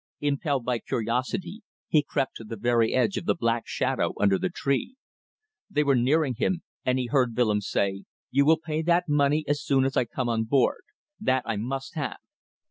Impelled by curiosity he crept to the very edge of the black shadow under the tree. They were nearing him, and he heard Willems say "You will pay that money as soon as I come on board. That I must have."